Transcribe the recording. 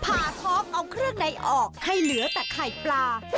ผ่าท้องเอาเครื่องในออกให้เหลือแต่ไข่ปลา